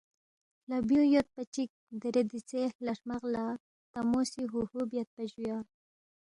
ہلا بیونگ یودپا چِک دیرے دیژے ہلا ہرمق لہ تا نہ مو سی ہُوہُو بیدپا جُو یا: